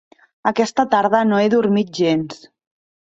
Aquesta tarda no he dormit gens.